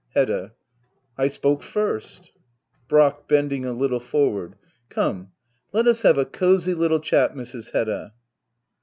Hedda I spoke first. Brack. [Bending a little forward.'] Come, let us have a cosy little chat, Mrs. Hedda.^ Hedda.